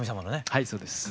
はいそうです。